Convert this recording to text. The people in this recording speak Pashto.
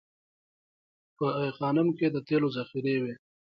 په ای خانم کې د تیلو ذخیرې وې